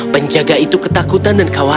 penjaga itu ketakutan dengan kegiatan